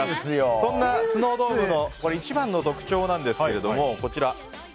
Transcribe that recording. そんなスノードームの一番の特徴がこちら。